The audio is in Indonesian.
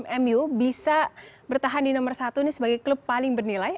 mu bisa bertahan di nomor satu ini sebagai klub paling bernilai